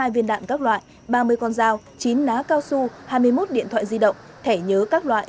một trăm chín mươi hai viên đạn các loại ba mươi con dao chín ná cao su hai mươi một điện thoại di động thẻ nhớ các loại